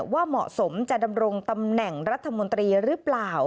ว่าเหมาะสมจะดำรงตำแหน่งรัฐมนตรีหรือเปล่า